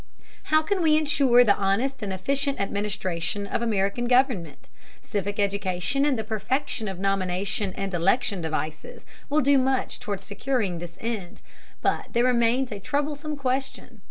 How can we insure the honest and efficient administration of American government? Civic education and the perfection of nomination and election devices will do much toward securing this end, but there remains a troublesome question.